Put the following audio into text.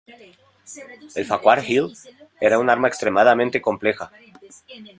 El Farquhar-Hill era un arma extremadamente compleja.